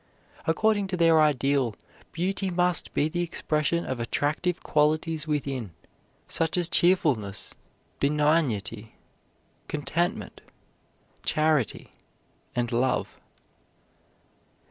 According to their ideal, beauty must be the expression of attractive qualities within such as cheerfulness, benignity, contentment, charity, and love.